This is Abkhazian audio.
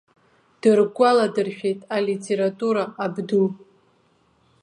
Дыргәаладыршәеит алитература абду.